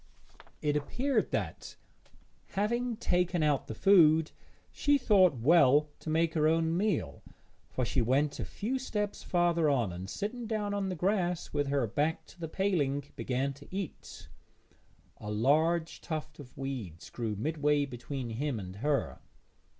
It appeared that, having taken out the food, she thought well to make her own meal, for she went a few steps farther on, and, sitting down on the grass with her back to the paling, began to eat. A large tuft of weeds grew midway between him and her.